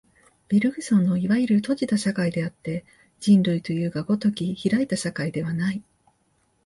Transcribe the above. ベルグソンのいわゆる閉じた社会であって、人類というが如き開いた社会ではない。